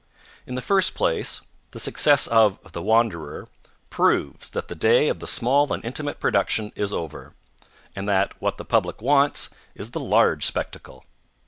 In the first place, the success of The Wanderer proves that the day of the small and intimate production is over and that what the public wants is the large spectacle.